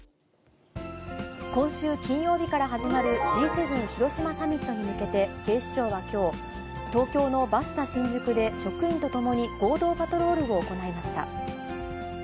今週金曜日から始まるＧ７広島サミットに向けて、警視庁はきょう、東京のバスタ新宿で職員と共に合同パトロールを行いました。